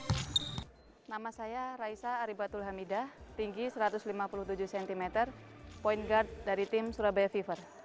nama saya raisa aribatul hamidah tinggi satu ratus lima puluh tujuh cm point guard dari tim surabaya fever